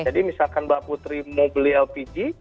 jadi misalkan mbak putri mau beli lpg